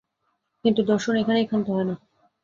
কিন্তু দর্শন এখানেই ক্ষান্ত হয় না।